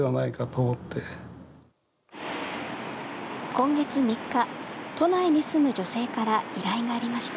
今月３日都内に住む女性から依頼がありました。